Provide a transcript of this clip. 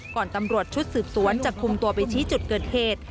ตำรวจชุดสืบสวนจะคุมตัวไปชี้จุดเกิดเหตุ